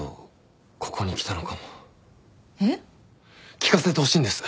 聞かせてほしいんです。